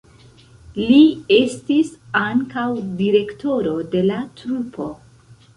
Li estis ankaŭ direktoro de la trupo.